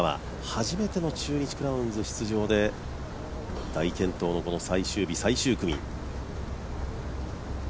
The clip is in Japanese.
初めての中日クラウンズ出場で大健闘の最終日、最終組。